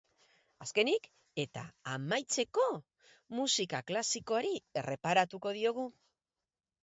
Azkenik, eta amaitzeko, musika klasikoari erreparatuko diogu.